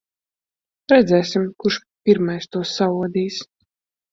Redzēsim, kurš pirmais to saodīs.